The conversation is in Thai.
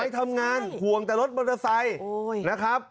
ไม่ทำงานห่วงแต่รถมอเตอร์ไซค์